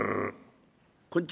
「こんちは」。